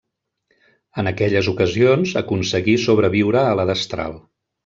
En aquelles ocasions aconseguí sobreviure a la destral.